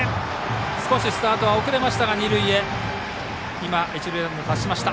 少しスタートが遅れましたが二塁へ一塁ランナーがいきました。